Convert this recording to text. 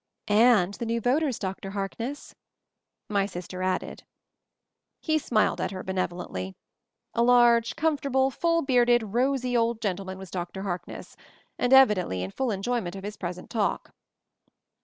"And the new voters, Dr. Harkness," my sister added. He smiled at her benevolently. A large, comfortable, full bearded, rosy old gentle man was Dr. Harkness, and evidently in full enjoyment of his present task.